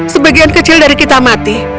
sebagian kecil dari kita mati